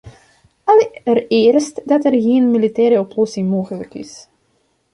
Allereerst dat er geen militaire oplossing mogelijk is.